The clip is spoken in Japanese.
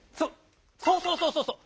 そうそうそうそうそう！